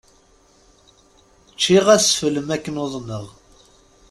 Ččiɣ asfel makken uḍneɣ.